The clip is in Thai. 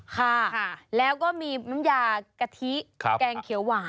ค่ะแล้วก็มีน้ำยากะทิแกงเขียวหวาน